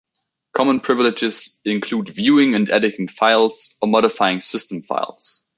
Common privileges include viewing and editing files, or modifying system files.